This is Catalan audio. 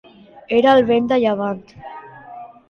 Era el vent de llevant.